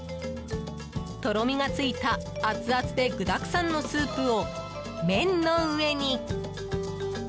とろみがついたアツアツで具だくさんのスープを麺の上に。